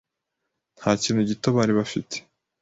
Nta kintu gito bari bafite.